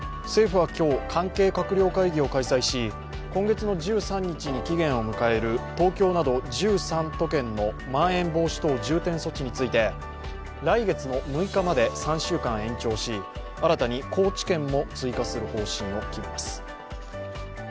政府は今日、関係閣僚会議を開催し今月の１３日に期限を迎える東京など１３都県のまん延防止等重点措置について、来月６日まで３週間延長し、新たに高知県も追加する方針を決めます。